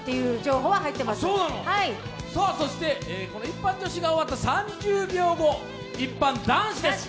一般女子が終わった３０秒後、一般男子です。